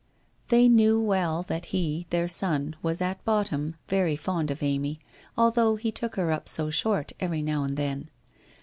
They knew well that he, their son, was, at bottom, very fond of Amy, although he took her up so short every now and then.